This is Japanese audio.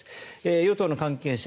与党の関係者